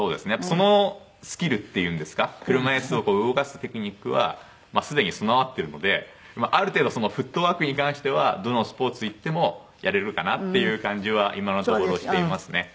そのスキルっていうんですか車いすを動かすテクニックはすでに備わっているのである程度そのフットワークに関してはどのスポーツいってもやれるかなっていう感じは今のところしていますね。